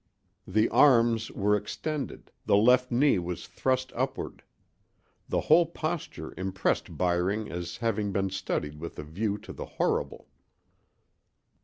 The arms were extended, the left knee was thrust upward. The whole posture impressed Byring as having been studied with a view to the horrible.